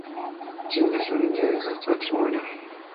Sin descendencia de este matrimonio.